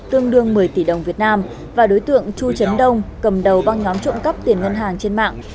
tương đương một mươi tỷ đồng việt nam và đối tượng chu trấn đông cầm đầu băng nhóm trộm cắp tiền ngân hàng trên mạng